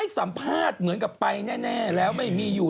สัมภาษณ์เหมือนกับไปแน่แล้วไม่มีอยู่